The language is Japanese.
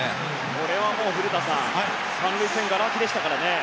これは３塁線がら空きでしたからね。